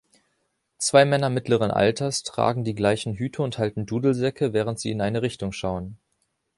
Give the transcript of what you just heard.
Zwei Männer mittleren Alters tragen die gleichen Hüte und halten Dudelsäcke während sie in eine Richtung schauen.